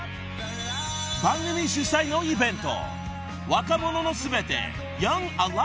［番組主催のイベント］